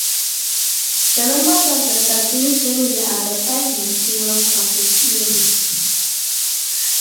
The members of the Tatsumi Family are the five main heroes of the series.